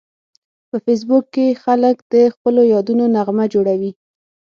په فېسبوک کې خلک د خپلو یادونو نغمه جوړوي